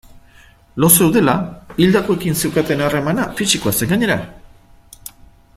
Lo zeudela hildakoekin zeukaten harremana fisikoa zen, gainera.